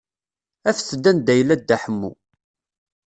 Afet-d anda yella Dda Ḥemmu.